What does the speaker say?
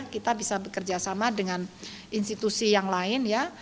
kita bisa bekerja sama dengan institusi yang lain ya